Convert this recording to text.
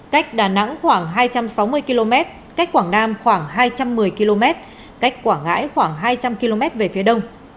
cách đà nẵng khoảng hai trăm sáu mươi km cách quảng nam khoảng hai trăm một mươi km cách quảng ngãi khoảng hai trăm linh km về phía đông